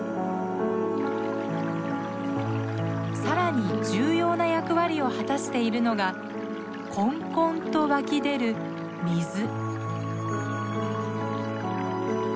更に重要な役割を果たしているのがこんこんと湧き出る水。